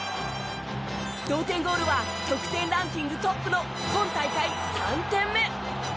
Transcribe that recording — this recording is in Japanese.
同点ゴールは得点ランキングトップの今大会３点目。